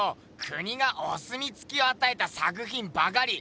国がおすみつきをあたえた作品ばかり。